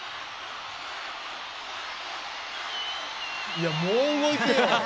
いやもう動いてよ！